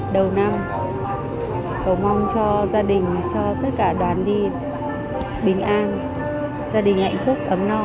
đầu năm cầu mong cho gia đình cho tất cả đoàn đi bình an gia đình hạnh phúc ấm no